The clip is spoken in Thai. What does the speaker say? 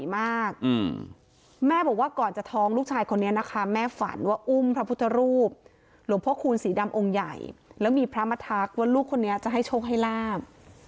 แม่บอกว่าก่อนจะท้องลูกชายคนนี้นะคะแม่ฝันว่าอุ้มพระพุทธรูปหลวงพ่อคูณสีดำองค์ใหญ่แล้วมีพระมาทักว่าลูกคนนี้จะให้โชคให้ลาบ